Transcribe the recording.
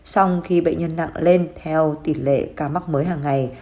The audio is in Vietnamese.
xong khi bệnh nhân nặng lên theo tỷ lệ ca mắc mới hàng ngày